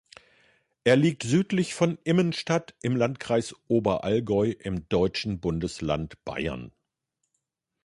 Er liegt südlich von Immenstadt im Landkreis Oberallgäu im deutschen Bundesland Bayern.